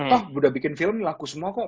toh udah bikin film laku semua kok